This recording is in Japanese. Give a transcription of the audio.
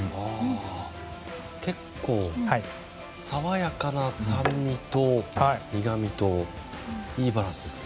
結構爽やかな酸味と苦みといいバランスですね。